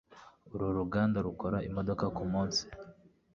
Uru ruganda rukora imodoka kumunsi.